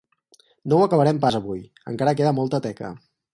No ho acabarem pas avui: encara queda molta teca.